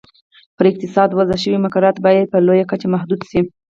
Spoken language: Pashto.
پر اقتصاد وضع شوي مقررات باید په لویه کچه محدود شي.